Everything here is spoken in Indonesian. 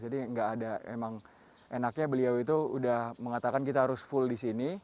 jadi enaknya beliau itu udah mengatakan kita harus full di sini